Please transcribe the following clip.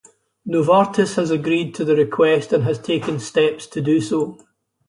Novartis has agreed to the request and has taken steps to do so.